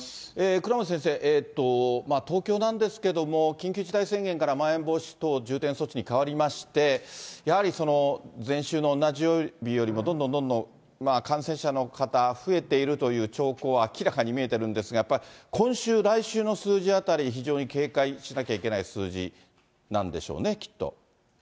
倉持先生、東京なんですけれども、緊急事態宣言からまん延防止等重点措置に変わりまして、やはり、前週の同じ曜日よりもどんどんどんどん感染者の方、増えているという兆候は明らかに見えてるんですが、やっぱり今週、来週の数字あたり、非常に警戒しなきゃいけない数字なんでしょうね、きっと。